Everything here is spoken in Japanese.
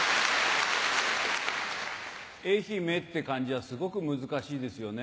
「愛媛」って漢字はすごく難しいですよね。